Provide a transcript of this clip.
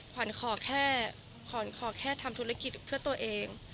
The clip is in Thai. ขวัญขอแค่ทำธุรกิจเพื่อตัวเอง